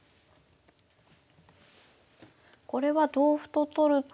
これは同歩と取ると。